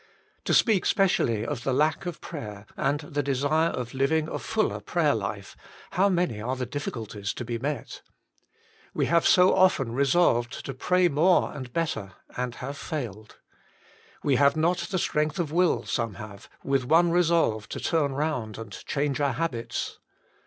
To speak specially of the lack of prayer, and the desire of living a fuller prayer life, how many are the difficulties to be met ! We have so often resolved to pray more and better, and have failed. We have not the strength of will some have, with one resolve to turn round and change our habits.